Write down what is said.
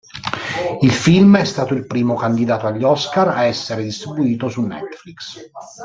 Il film è stato il primo candidato agli Oscar a essere distribuito su Netflix.